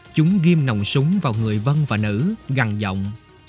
chúng ghim nồng súng vào người vân và nữ gần giọng